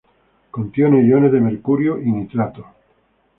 Contiene iones de mercurio y nitrato.